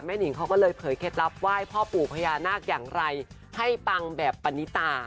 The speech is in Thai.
หนิงเขาก็เลยเผยเคล็ดลับไหว้พ่อปู่พญานาคอย่างไรให้ปังแบบปณิตา